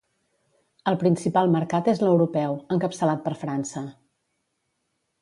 El principal mercat és l'europeu, encapçalat per França.